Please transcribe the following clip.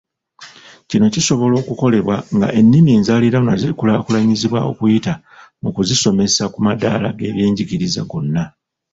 Kino kisobola okukolebwa nga ennimi enzaaliranwa zikulaakulanyizibwa okuyita mu kuzisomesa ku madaala g'ebyenjigiriza gonna.